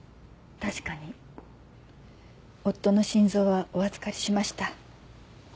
確かに夫の心臓はお預かりしました。